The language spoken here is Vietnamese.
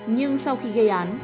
nhưng sau khi gây án